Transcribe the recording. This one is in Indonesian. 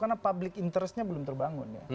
karena public interestnya belum terbangun